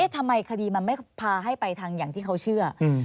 ทำไมคดีมันไม่พาให้ไปทางอย่างที่เขาเชื่อ